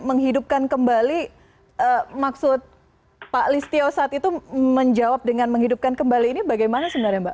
menghidupkan kembali maksud pak listio saat itu menjawab dengan menghidupkan kembali ini bagaimana sebenarnya mbak